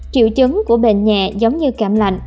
triệu chứng của bệnh nhẹ giống như cảm lạnh